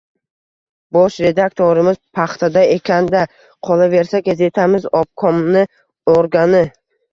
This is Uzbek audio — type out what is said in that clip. — Bosh redaktorimiz paxtada ekan-da. Qolaversa, gazetamiz obkomni organi.